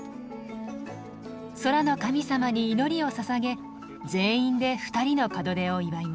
空の神様に祈りをささげ全員で２人の門出を祝います。